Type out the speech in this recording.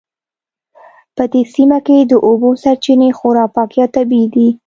په دې سیمه کې د اوبو سرچینې خورا پاکې او طبیعي دي